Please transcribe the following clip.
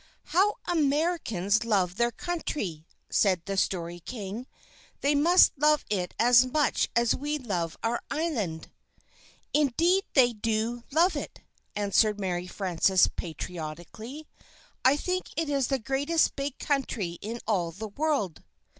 "How Americans love their country!" said the Story King. "They must love it as much as we love our island!" "Indeed, they do love it," answered Mary Frances patriotically. "I think it's the greatest big country in all the world!"